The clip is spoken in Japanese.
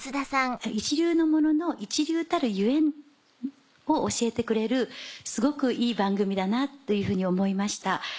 一流のものの一流たるゆえんを教えてくれるすごくいい番組だなというふうに思いました。